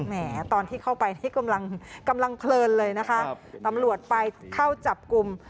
แหมตอนที่เข้าไปนี่กำลังเพลินเลยนะคะตำรวจไปเข้าจับกลุ่ม